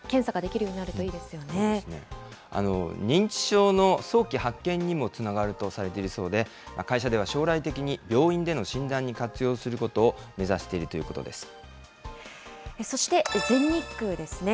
認知症の早期発見にもつながるとされているそうで、会社では将来的に病院での診断に活用することそして、全日空ですね。